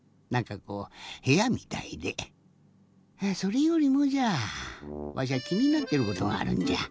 それよりもじゃあわしゃきになってることがあるんじゃ。